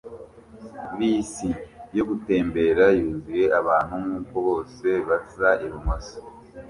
Bisi yo gutembera yuzuye abantu nkuko bose basa ibumoso